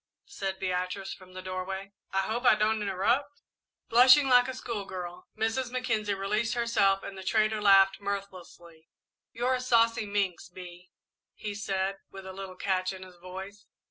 said Beatrice, from the doorway. "I hope I don't interrupt?" Blushing like a schoolgirl, Mrs. Mackenzie released herself and the trader laughed mirthlessly. "You're a saucy minx, Bee," he said, with a little catch in his voice.